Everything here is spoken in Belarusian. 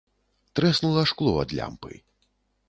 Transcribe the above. Трэснула шкло ад лямпы.